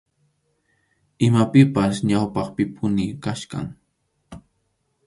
Imapipas ñawpaqpipuni kachkan.